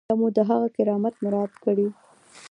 یا مو د هغه کرامت مراعات کړی دی.